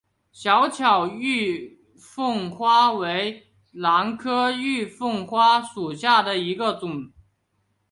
小巧玉凤花为兰科玉凤花属下的一个种。